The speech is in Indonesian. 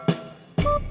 saya teh ngantuk